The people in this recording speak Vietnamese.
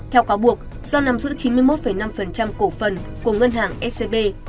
theo cáo buộc do nắm giữ chín mươi một năm cổ phần của ngân hàng scb